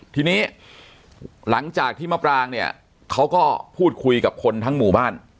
ทีนี้หลังจากที่มะปรางเนี่ยเขาก็พูดคุยกับคนทั้งหมู่บ้าน